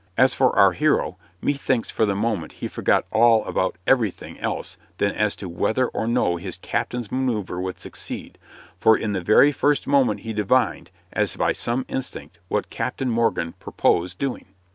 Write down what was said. As for our hero, methinks for the moment he forgot all about everything else than as to whether or no his captain's maneuver would succeed, for in the very first moment he divined, as by some instinct, what Captain Morgan purposed doing.